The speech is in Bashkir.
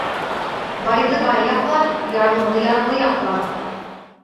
Байҙы бай яҡлар, ярлыны ярлы яҡлар.